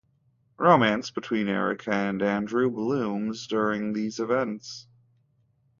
Romance between Erica and Andrew blooms during these events.